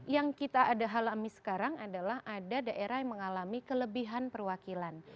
yang kita ada halami sekarang adalah ada daerah yang mengalami kelebihan perwakilan